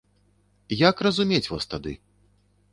Як разумець вас тады?